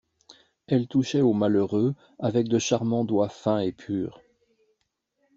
Elle touchait aux malheureux avec de charmants doigts fins et purs.